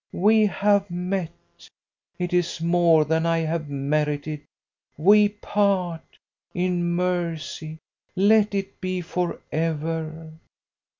We have met. It is more than I have merited. We part. In mercy let it be for ever.